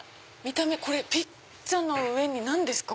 これピッツァの上に何ですか？